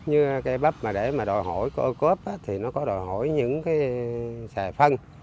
như cây bắp mà để mà đòi hỏi của ô cớp thì nó có đòi hỏi những cái sài phân